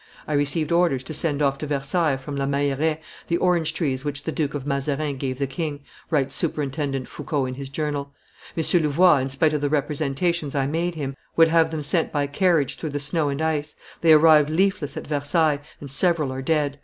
"I received orders to send off to Versailles from La Meilleraye the orange trees which the Duke of Mazarin gave the king," writes Superintendent Foucauld in his journal. "M. Louvois, in spite of the representations I made him, would have them sent by carriage through the snow and ice. They arrived leafless at Versailles, and several are dead.